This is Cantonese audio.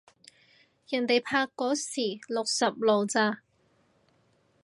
人哋拍嗰時六十路咋